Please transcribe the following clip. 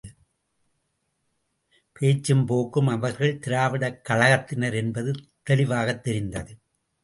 பேச்சும் போக்கும் அவர்கள் திராவிடக்கழகத்தினர் என்பது தெளிவாகத் தெரிந்தது.